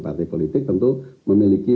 partai politik tentu memiliki